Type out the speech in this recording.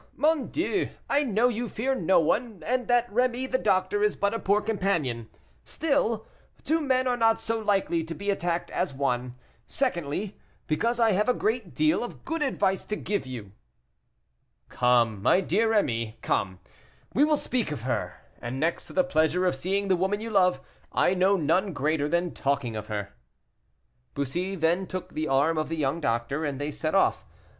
mon Dieu, I know you fear no one, and that Rémy the doctor is but a poor companion; still, two men are not so likely to be attacked as one. Secondly, because I have a great deal of good advice to give you." "Come, my dear Rémy, come. We will speak of her; and next to the pleasure of seeing the woman you love, I know none greater than talking of her." Bussy then took the arm of the young doctor, and they set off.